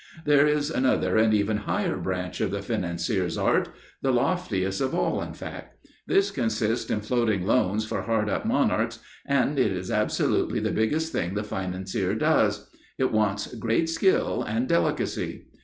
There is another and even higher branch of the financier's art the loftiest of all in fact. This consists in floating loans for hard up monarchs, and it is absolutely the biggest thing the financier does. It wants great skill and delicacy.